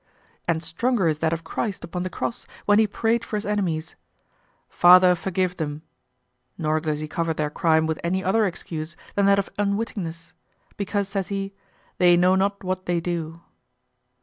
And stronger is that of Christ upon the cross when he prayed for his enemies, "Father, forgive them," nor does he cover their crime with any other excuse than that of unwittingness because, says he, "they know not what they do."